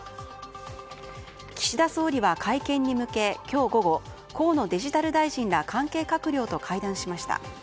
岸田総理は会見に向け今日午後、河野デジタル大臣ら関係閣僚と会談しました。